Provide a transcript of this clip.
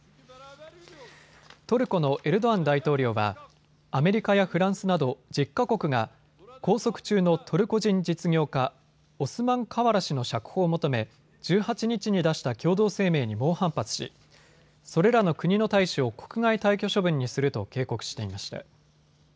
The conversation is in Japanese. トルコのエルドアン大統領はアメリカやフランスなど１０か国が拘束中のトルコ人実業家、オスマン・カワラ氏の釈放を求め１８日に出した共同声明に猛反発しそれらの国の大使を国外退去処分にすると警告していました。